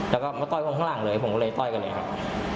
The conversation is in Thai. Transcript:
แล้วก็มาต้อยผมข้างหลังเลยผมก็เลยต้อยกันเลยครับ